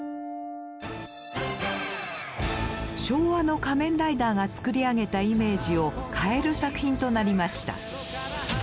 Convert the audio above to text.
昭和の「仮面ライダー」が作り上げたイメージを変える作品となりました。